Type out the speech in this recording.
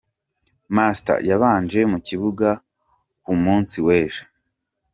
Master yabanje mu kibuga ku munsi w’ejo.